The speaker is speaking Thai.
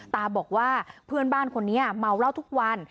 ตาบอกว่าเพื่อนบ้านคนนี้เมาเหล้าทุกวัน